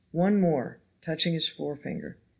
One more (touching his forefinger).